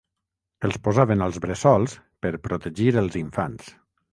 Els posaven als bressols per protegir els infants.